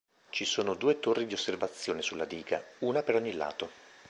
Ci sono due torri di osservazione sulla diga: una per ogni lato.